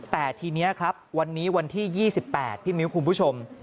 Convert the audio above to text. แต่ทีนี้ครับวันนี้วันที่๒๘พี่มิ้วคุณผู้ชม